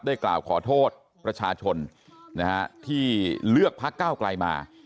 ได้กล่าวขอโทษประชาชนนะฮะที่เลือกพักก้าวกลายมา